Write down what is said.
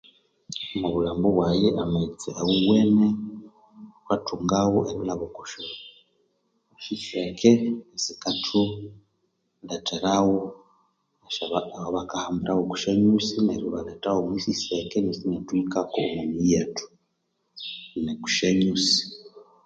Omwo bulhambu bwayi amaghetse awuwene thukathungawo erilhaba okwosyo okwasiseke esikathuletheragho esyaba abakahambiragho okwa syanyusi neru abalethagho omwiseke neru inathuhikako omwa miyi yethu noku sya nyusi